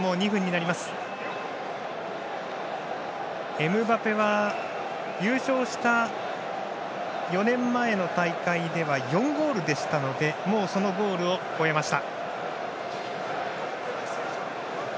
エムバペは優勝した４年前の大会では４ゴールでしたのでもうそのゴールを超えました。